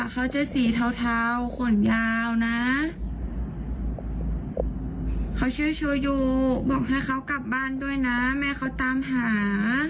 เขาชื่อโชยูบอกให้เขากลับบ้านด้วยนะแม่เขาตามหา